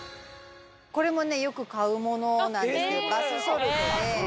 これもね、よく買うものなんですけど、バスソルトで。